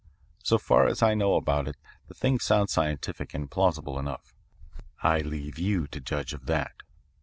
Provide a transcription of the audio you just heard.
So far as I know about it the thing sounds scientific and plausible enough. I leave you to judge of that.